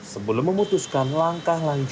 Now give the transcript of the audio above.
sebelum memutuskan langkah lainnya